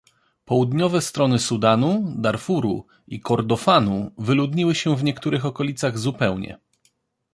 Południowe strony Sudanu, Darfuru i Kordofanu wyludniły się w niektórych okolicach zupełnie.